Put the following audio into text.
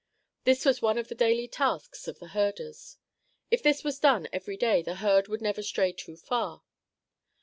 This was one of the daily tasks of the herders. If this was done every day the herd would never stray too far.